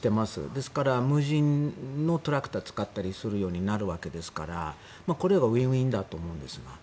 ですから、無人のトラクターを使ったりするようになるわけですからこれはウィンウィンだと思うんです。